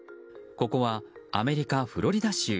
ここはアメリカ・フロリダ州。